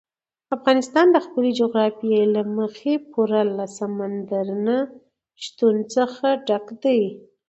افغانستان د خپلې جغرافیې له مخې پوره له سمندر نه شتون څخه ډک دی.